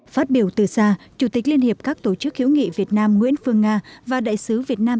phát biểu từ xa chủ tịch liên hiệp các tổ chức hữu nghị việt nam nguyễn phương nga và đại sứ việt nam